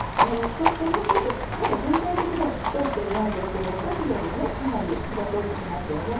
こうしてちょっとまだ全体的には透き通っていないんですけどさっきよりもかなり火が通って来ましたよね。